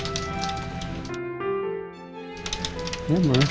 jadi terus gak mau nyantai nak